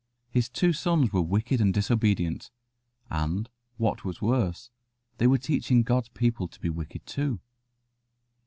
His two sons were wicked and disobedient, and, what was worse, they were teaching God's people to be wicked too.